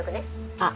あっ！